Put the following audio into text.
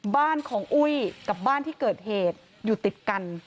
บ้านของอุ้ยกับบ้านที่เกิดเหตุอยู่ติดกัน